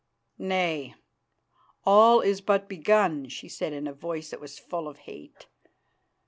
"Nay, all is but begun," she said in a voice that was full of hate.